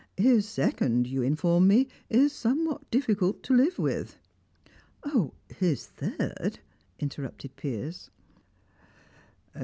His second, you inform me, is somewhat difficult to live with." "His third," interrupted Piers.